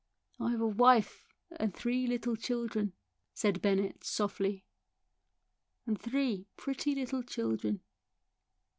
" I have a wife and three little children," said Bennett softly " and three pretty little children."